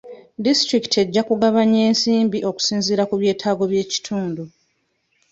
Disitulikiti ejja kugabanya ensimbi okusinziira ku byetaago by'ekitundu.